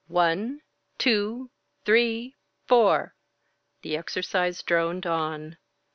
One, two, three, four." The exercise droned on.